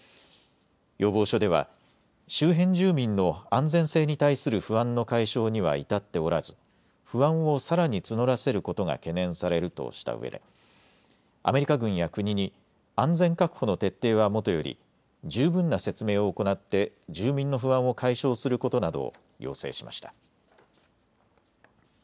要望書では周辺住民の安全性に対する不安の解消には至っておらず不安をさらに募らせることが懸念されるとしたうえでアメリカ軍や国に安全確保の徹底はもとより十分な説明を行って住民の不安を解消することなどを要請しました。